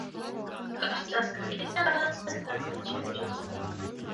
Կարճ ծածկագիրն իրականացվեց թարգմանչի միջոցով։